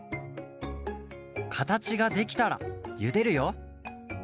かたちができたらゆでるよ。